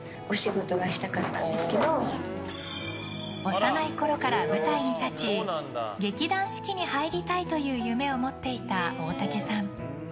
幼いころから舞台に立ち劇団四季に入りたいという夢を持っていた大竹さん。